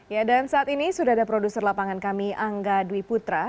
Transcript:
ya dan saat ini sudah ada produser lapangan kami angga dwi putra